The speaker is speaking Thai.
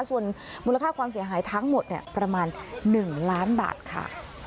ส่วนมูลค่าความเสียหายทั้งหมดประมาณ๑ล้านบาทค่ะ